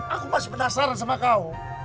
aku masih penasaran sama kau